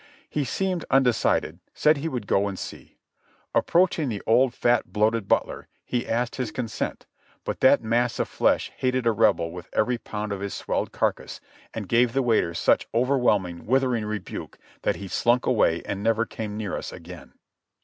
He seemed unde cided; said he would go and see. Approaching the old fat, bloated butler, he asked his consent, but that mass of flesh hated a Rebel with every pound of his swelled carcass, and gave the waiter such overwhelming, withering rebuke that he slunk away and never came near us again.